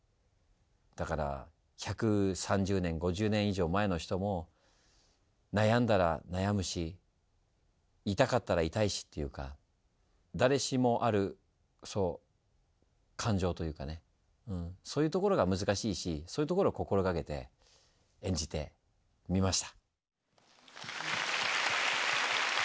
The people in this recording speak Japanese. だから１３０年５０年以上前の人も悩んだら悩むし痛かったら痛いしっていうか誰しもあるそう感情というかねそういうところが難しいしそういうところを心がけて演じてみました。